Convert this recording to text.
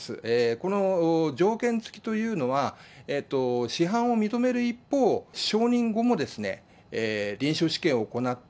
この条件付きというのは、市販を認める一方、承認後もですね、臨床試験を行って、